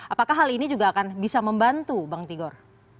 apakah hal ini juga akan bisa membantu bang tigor